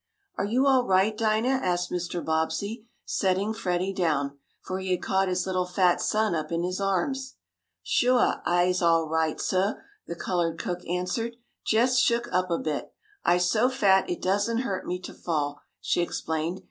"Are you all right, Dinah?" asked Mr. Bobbsey, setting Freddie down, for he had caught his little fat son up in his arms. "Shuah, I'se all right, sah," the colored cook answered. "Jest shook up a bit. I'se so fat it doesn't hurt me t' fall," she explained.